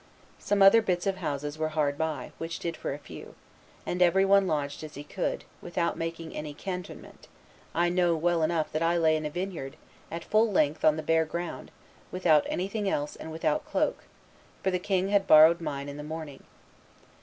Some other bits of houses there were hard by, which did for a few; and every one lodged as he could, without making any cantonment, I know well enough that I lay in a vineyard, at full length on the bare ground, without anything else and without cloak, for the king had borrowed mine in the morning.